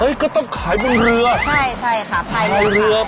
เฮ้ยก็ต้องขายเป็นเรือใช่ค่ะพายเรือค่ะ